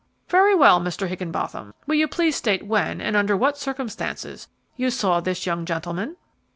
"Very well, Mr. Higgenbotham, will you now please state when, and under what circumstances, you saw this young gentleman?"